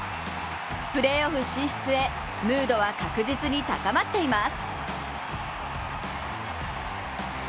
プレーオフ進出へムードは確実に高まっています。